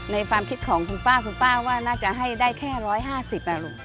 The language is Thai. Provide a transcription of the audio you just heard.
ความคิดของคุณป้าคุณป้าว่าน่าจะให้ได้แค่๑๕๐อ่ะลูก